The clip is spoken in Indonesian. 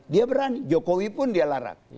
dia berani jokowi pun dia larang